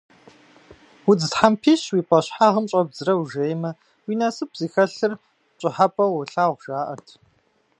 Удз тхьэмпищ уи пӀащхьэгъым щӀэбдзрэ ужеймэ, уи насып зыхэлъыр пщӀыхьэпӀэу уолъагъу, жаӀэрт.